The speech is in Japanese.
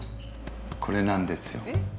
これなんですよ。